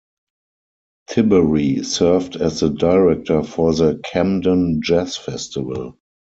Tiberi served as the director for the Camden Jazz Festival.